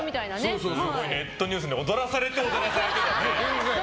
ネットニュースに踊らされて踊らされてだね。